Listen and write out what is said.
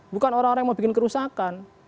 bukan orang orang yang mau bikin kerusakan